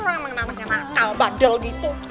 emang anaknya nakal badal gitu